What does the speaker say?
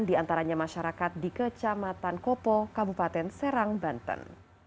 diantaranya masyarakat di kecamatan kopo kabupaten serang banten